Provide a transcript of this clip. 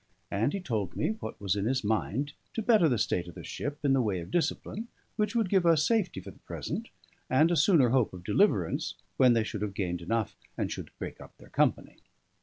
And he told me what was in his mind to better the state of the ship in the way of discipline, which would give us safety for the present, and a sooner hope of deliverance when they should have gained enough and should break up their company.